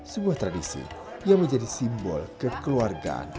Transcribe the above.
sebuah tradisi yang menjadi simbol kekeluargaan